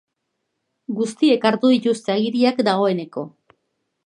Guztiek hartu dituzte agiriak dagoeneko.